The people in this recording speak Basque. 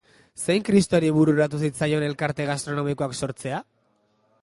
Zein kristori bururatu zitzaion elkarte gastronomikoak sortzea?